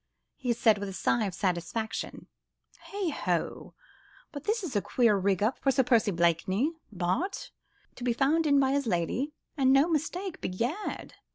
he said, with a sigh of satisfaction. "Heigh ho! but this is a queer rig up for Sir Percy Blakeney, Bart., to be found in by his lady, and no mistake. Begad!"